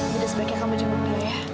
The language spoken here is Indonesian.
jadi sebaiknya kamu jemput dia ya